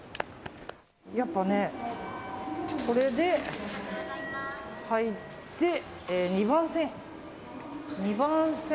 やっぱね、これで入って２番線。